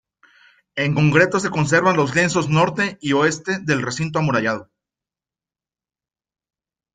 En concreto se conservan los lienzos norte y oeste del recinto amurallado.